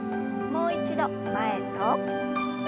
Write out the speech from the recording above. もう一度前と。